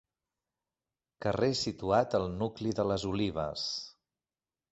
Carrer situat al nucli de les Olives.